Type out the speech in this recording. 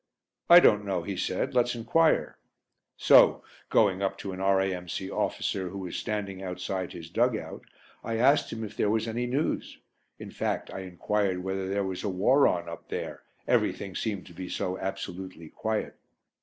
"I don't know," he said, "let's enquire." So, going up to an R.A.M.C. officer, who was standing outside his dug out, I asked him if there was any news in fact I enquired whether there was a war on up there, everything seemed to be so absolutely quiet.